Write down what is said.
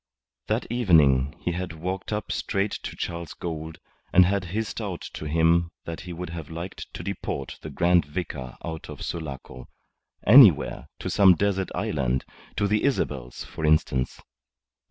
That evening he had walked up straight to Charles Gould and had hissed out to him that he would have liked to deport the Grand Vicar out of Sulaco, anywhere, to some desert island, to the Isabels, for instance.